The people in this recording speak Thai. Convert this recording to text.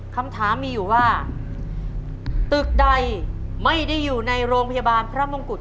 คำถามมีอยู่ว่าตึกใดไม่ได้อยู่ในโรงพยาบาลพระมงกุฎ